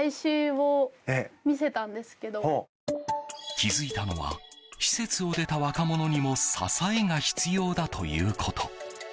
気づいたのは施設を出た若者にも支えが必要だということ。